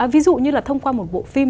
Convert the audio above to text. ví dụ như là thông qua một bộ phim